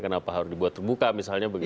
kenapa harus dibuat terbuka misalnya begitu